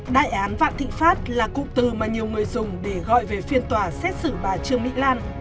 đại án vạn thịnh pháp là cụm từ mà nhiều người dùng để gọi về phiên tòa xét xử bà trương mỹ lan